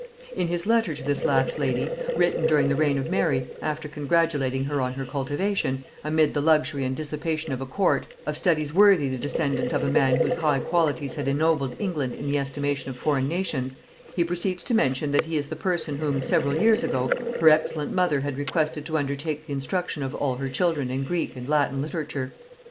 In his letter to this last lady, written during the reign of Mary, after congratulating her on her cultivation, amid the luxury and dissipation of a court, of studies worthy the descendant of a man whose high qualities had ennobled England in the estimation of foreign nations, he proceeds to mention, that he is the person whom, several years ago, her excellent mother had requested to undertake the instruction of all her children in Greek and Latin literature.